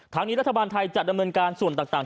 ทางนี้รัฐบาลไทยจัดดำเนินการส่วนต่าง